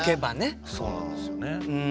そうなんですよね。